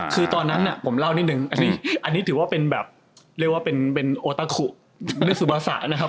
คือตอนนั้นผมเล่านิดนึงอันนี้ถือว่าเป็นแบบเรียกว่าเป็นโอตาขุเขาเรียกซูบาสะนะครับ